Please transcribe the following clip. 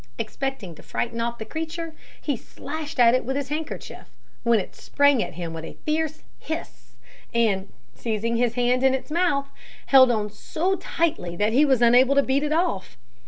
Expecting to frighten off the creature, he slashed at it with his handkerchief, when it sprang at him with a fierce hiss, and, seizing his hand in its mouth, held on so tightly that he was unable to beat it off.